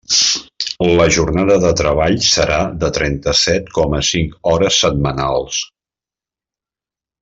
La jornada de treball serà de trenta-set coma cinc hores setmanals.